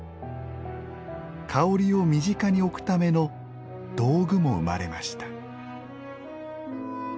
香りを身近に置くための道具も生まれました。